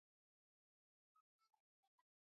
د بلخ مزار ډېر زیارت کوونکي لري.